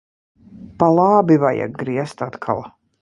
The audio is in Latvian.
Pa labi vajag griezt atkal.